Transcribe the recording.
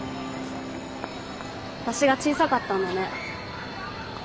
私が小さかったんだね。